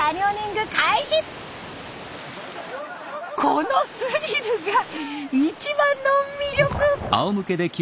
このスリルが一番の魅力！